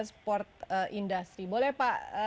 sport industri boleh pak